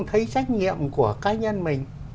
thấy trách nhiệm của cá nhân mình